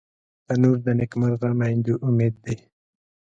تنور د نیکمرغه میندو امید دی